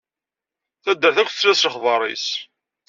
Taddart akk tesla s lexbar-is.